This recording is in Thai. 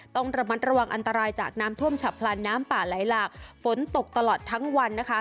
ต้องระมัดระวังอันตรายจากน้ำท่วมฉับพลันน้ำป่าไหลหลากฝนตกตลอดทั้งวันนะคะ